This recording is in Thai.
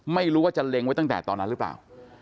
ไม่รู้ว่าจะเล็งไว้ตั้งแต่ตอนนั้นหรือเปล่า